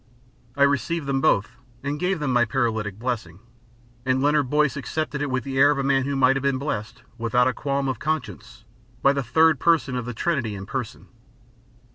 I received them both and gave them my paralytic blessing, and Leonard Boyce accepted it with the air of a man who might have been blessed, without a qualm of conscience, by the Third Person of the Trinity in Person.